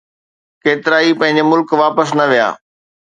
ڪيترائي پنهنجي ملڪ واپس نه ويا.